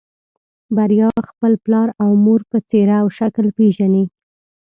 بريا خپل پلار او مور په څېره او شکل پېژني.